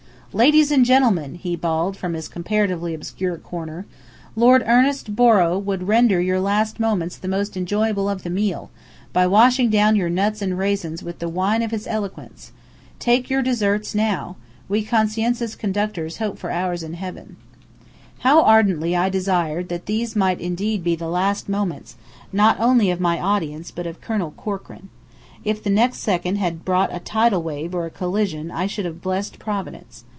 "Ladies and gentlemen," he bawled from his comparatively obscure corner. "Lord Ernest Borrow will render your last moments the most enjoyable of the meal, by washing down your nuts and raisins with the wine of his eloquence. Take your desserts now. We conscientious conductors hope for ours in heaven." How ardently I desired that these might indeed be the "last moments" not only of my audience but of Colonel Corkran. If the next second had brought a tidal wave or a collision I should have blessed Providence.